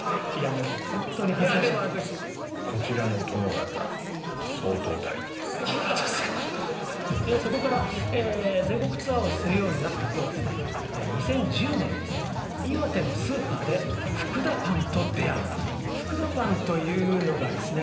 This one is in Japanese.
もうホントに恥ずかしいいやでも私あっホントですかでそこから全国ツアーをするようになった頃ですね２０１０年にですね岩手のスーパーで福田パンと出会う福田パンというのがですね